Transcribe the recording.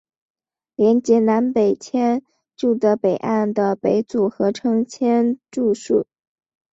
连结南北千住的北岸的北组合称千住宿。